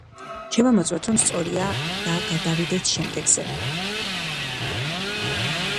შევამოწმოთ, რომ სწორია და გადავიდეთ შემდეგზე.